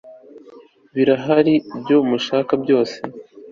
birahari ibyo mushaka byose